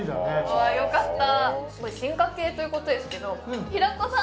よかった！